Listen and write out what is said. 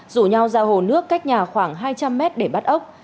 rủ nhau ra hồ nước cách nhà khoảng hai trăm linh mét để bắt ốc